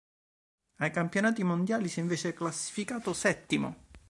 Ai campionati mondiali si é invece classificato settimo.